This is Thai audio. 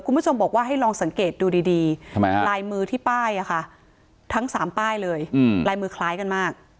คุณผู้ชมบอกว่าให้ลองสังเกตดูดีลายมือที่ป้ายทั้ง๓ป้ายเลยลายมือคล้ายกันมาก